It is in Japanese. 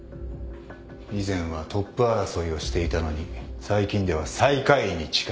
以前はトップ争いをしていたのに最近では最下位に近い。